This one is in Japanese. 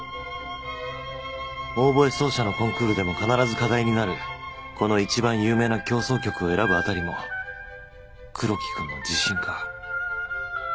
オーボエ奏者のコンクールでも必ず課題になるこのいちばん有名な協奏曲を選ぶあたりも黒木君の自信か